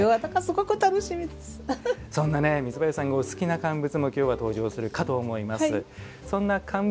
そんな三林さんがお好きな乾物も今日は登場するかと思います。